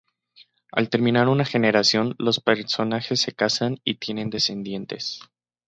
Al terminar una generación, los personajes se casan y tienen descendientes.